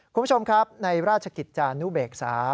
คุณผู้ชมครับในราชกิจจานุเบกษา